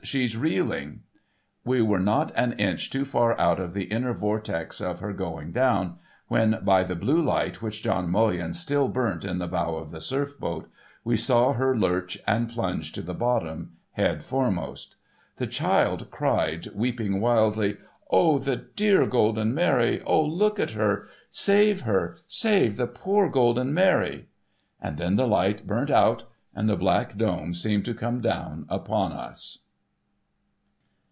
She's reeling!' W'c were not an inch too far out of the inner vortex of her going down, when, by the blue light which John Mullion still burnt in the bow of the Surf boat, we saw her lurch, and plunge to the bottom head foremost. The child cried, weei)ing wildly, 'O the dear ( lolden Mary ! O look at her ! Save her ! Save the poor Golden Mary !' And then the light burnt out, and the black dome seemed to come down upon us.